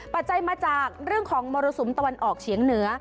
ปัจจัยมาจากเรื่องของมรสุมตะวันออกเฉียงเหนือ